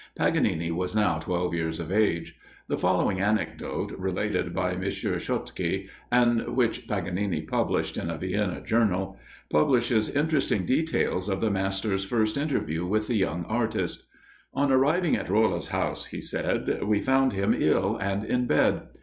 Paganini was now twelve years of age. The following anecdote, related by M. Schottky, and which Paganini published in a Vienna journal, furnishes interesting details of the master's first interview with the young artist: "On arriving at Rolla's house, he said, we found him ill, and in bed.